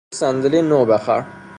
روکش صندلی نو بخر.